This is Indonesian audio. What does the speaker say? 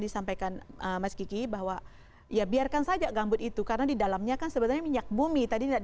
silahkan mbak maria